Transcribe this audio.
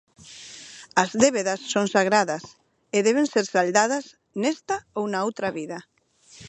As débedas son sagradas e deben ser saldadas, nesta ou na outra vida.